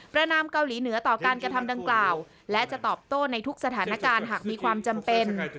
นามเกาหลีเหนือต่อการกระทำดังกล่าวและจะตอบโต้ในทุกสถานการณ์หากมีความจำเป็น